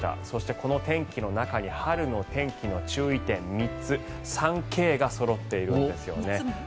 そして、この天気の中に春の天気の注意点３つ３Ｋがそろっているんです。